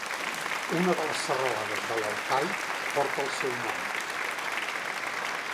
Una de les serralades de l'Altai porta el seu nom.